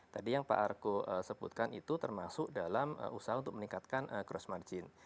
tadi yang pak arko sebutkan itu termasuk dalam usaha untuk meningkatkan gross margin